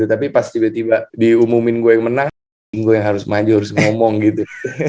tapi pas tiba tiba diumumin gue yang menang gue yang harus maju harus ngomong gitu